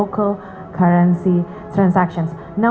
pacar kyartang decisions to dua puluh lima